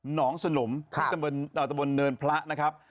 หนองสนมตเบิร์นตัวตะบนเนินพระนะครับ